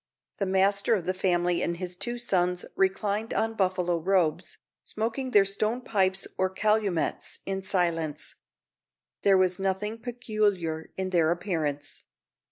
The master of the family and his two sons reclined on buffalo robes, smoking their stone pipes or calumets in silence. There was nothing peculiar in their appearance.